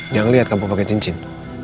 dia ngeliat kamu pake cincin